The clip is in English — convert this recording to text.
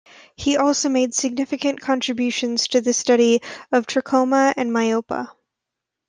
He also made significant contributions to the study of trachoma and myopia.